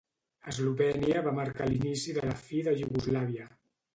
Eslovènia va marcar l'inici de la fi de Iugoslàvia